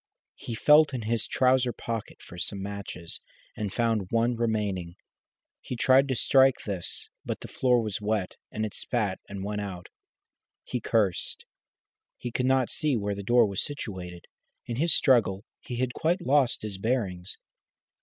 He felt in his trouser pocket for some matches, and found one remaining. He tried to strike this, but the floor was wet, and it spat and went out. He cursed. He could not see where the door was situated. In his struggle he had quite lost his bearings.